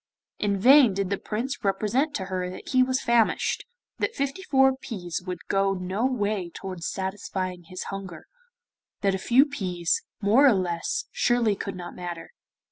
In vain did the Prince represent to her that he was famished that fifty four peas would go no way towards satisfying his hunger that a few peas, more or less, surely could not matter.